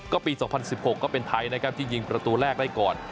ก็ปี๒๐๑๖ก็เป็นไทยนะครับที่ยิงประตูแรกได้ก่อน